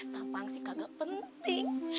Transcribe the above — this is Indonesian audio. tampang sih kagak penting